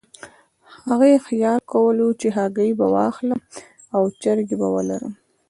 هغې خیال کولو چې هګۍ به واخلم او چرګې به ولرم.